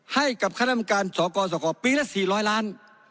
ให้กับคันธรรมการศอกอศอกอปีละสี่ร้อยล้าน